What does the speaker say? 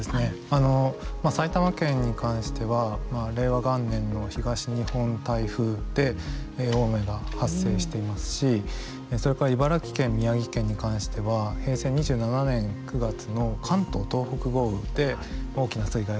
あの埼玉県に関しては令和元年の東日本台風で大雨が発生していますしそれから茨城県宮城県に関しては平成２７年９月の関東・東北豪雨で大きな水害が発生しています。